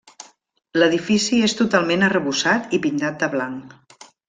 L'edifici és totalment arrebossat i pintat de blanc.